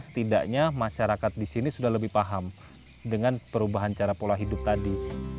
setidaknya masyarakat di sini sudah lebih paham dengan perubahan cara pola hidup tadi